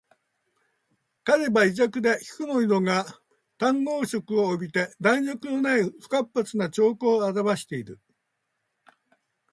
彼は胃弱で皮膚の色が淡黄色を帯びて弾力のない不活発な徴候をあらわしている